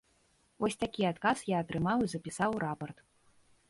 Вось такі адказ я атрымаў і запісаў у рапарт.